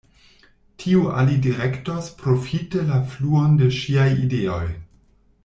Tio alidirektos profite la fluon de ŝiaj ideoj.